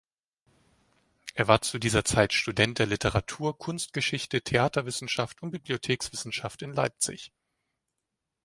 Er war zu dieser Zeit Student der Literatur, Kunstgeschichte, Theaterwissenschaft und Bibliothekswissenschaft in Leipzig.